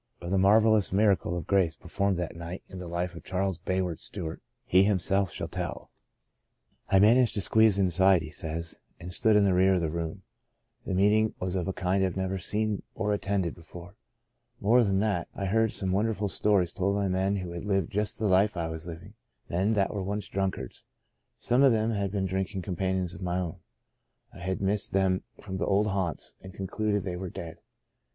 Of the marvellous miracle of grace performed that night in the life of Charles Bayard Stewart, he himself shall tell. " I managed to squeeze inside," he says, ''and stood in the rear of the room. The meeting was of a kind I had never seen or attended before. More than that, I heard some wonderful stories told by men who had lived just the life I was living — men that once were drunkards. Some of them had been drinking companions of my own. I had missed them from the old haunts, and concluded they were dead.